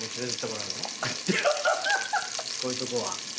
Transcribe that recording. こういうとこは。